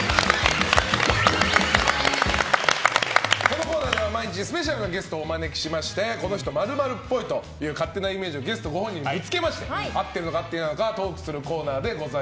このコーナーでは毎日スペシャルなゲストをお招きしてこの人○○っぽいという勝手なイメージをゲストご本人にぶつけまして合っているのか合っていないのかトークするコーナーです。